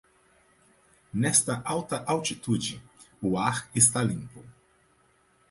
Nesta alta altitude, o ar está limpo.